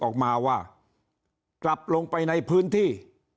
ออกมาว่ากลับลงไปในพื้นที่